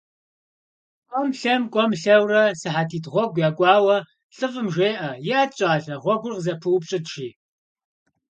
КӀуэм-лъэм, кӀуэм-лъэурэ, сыхьэтитӀ гъуэгу якӀуауэ, лӀыфӀым жеӀэ: - ИӀэт, щӀалэ, гъуэгур къызэпыупщӀыт!- жи.